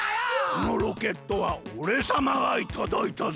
このロケットはおれさまがいただいたぜ！